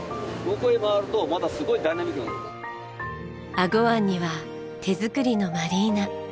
英虞湾には手作りのマリーナ。